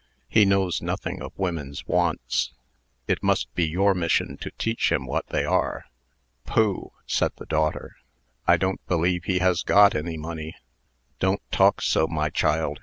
He knows nothing of women's wants. It must be your mission to teach him what they are." "Pooh!" said the daughter; "I don't believe he has got any money." "Don't talk so, my child.